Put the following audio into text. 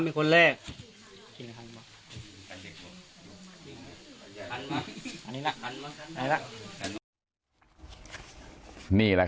ข้าพเจ้านางสาวสุภัณฑ์หลาโภ